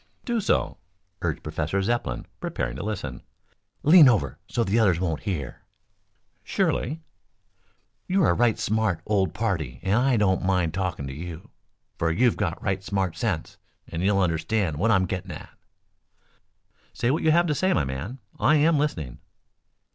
"Do so," urged Professor Zepplin, preparing to listen. "Lean over so the others won't hear." "Surely." "You're a right smart old party and I don't mind talking to you, for you've got right smart sense and you'll understand what I'm getting at." "Say what you have to say, my man. I am listening."